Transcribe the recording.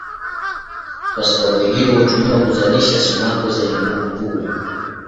Kwa sababu hiyo hutumiwa kuzalisha sumaku zenye nguvu kuu.